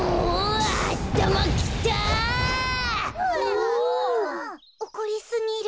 おこりすぎる。